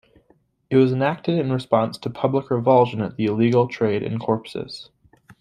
It was enacted in response to public revulsion at the illegal trade in corpses.